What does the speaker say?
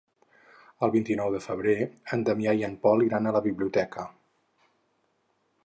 El vint-i-nou de febrer en Damià i en Pol iran a la biblioteca.